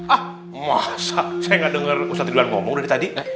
ah masa saya gak denger ustadz hiduan ngomong dari tadi